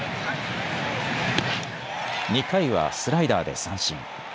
２回はスライダーで三振。